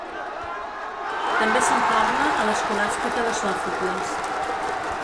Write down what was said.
També se'n parla a l'escolàstica de Sòfocles.